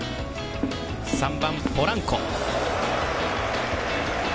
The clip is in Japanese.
３番、ポランコ。